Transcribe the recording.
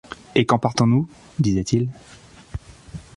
Et quand partons-nous ?… disaient-ils.